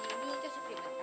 ya ampun ken